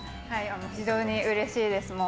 非常にうれしいです。